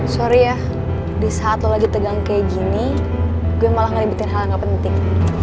sorry ya di saat lo lagi tegang kayak gini gue malah ngeributin hal yang gak penting